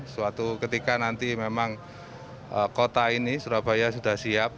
suatu ketika nanti memang kota ini surabaya sudah siap